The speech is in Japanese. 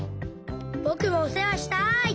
ぼくもおせわしたい！